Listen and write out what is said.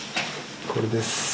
これです。